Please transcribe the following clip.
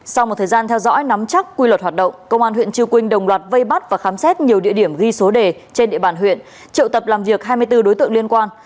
sau một thời gian theo dõi nắm chắc quy luật hoạt động công an huyện chư quynh đồng loạt vây bắt và khám xét nhiều địa điểm ghi số đề trên địa bàn huyện triệu tập làm việc hai mươi bốn đối tượng liên quan